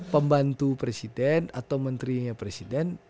pembantu presiden atau menterinya presiden